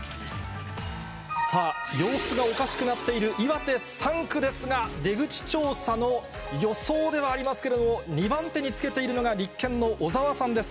さあ、様子がおかしくなっている岩手３区ですが、出口調査の予想ではありますけれども、２番手につけているのが立憲の小沢さんです。